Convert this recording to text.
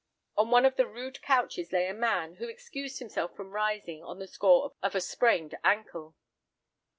On one of the rude couches lay a man, who excused himself from rising on the score of a sprained ankle.